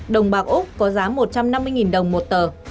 đồng bạc úc có giá một trăm năm mươi đồng một tờ